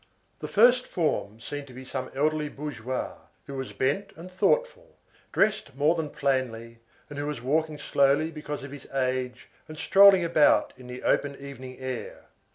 The first form seemed to be some elderly bourgeois, who was bent and thoughtful, dressed more than plainly, and who was walking slowly because of his age, and strolling about in the open evening air.